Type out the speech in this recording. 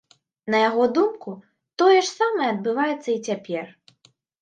На яго думку, тое ж самае адбываецца і цяпер.